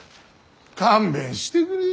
勘弁してくれ。